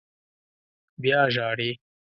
_بيا ژاړې!